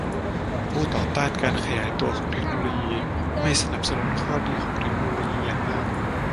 ผู้ต่อต้านการขยายตัวของเทคโนโลยีไม่สนับสนุนข้อดีของเทคโนโลยีอย่างมาก